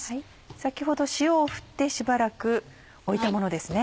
先ほど塩を振ってしばらくおいたものですね。